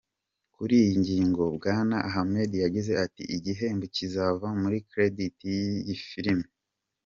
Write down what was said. Kuri iyi ngingo, Bwana Ahmed yagize ati, “Igihembo kizava muri credit y’iyi filime.